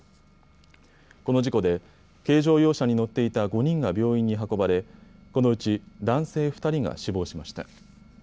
この事故で軽乗用車に乗っていた５人が病院に運ばれこのうち男性２人が死亡しました。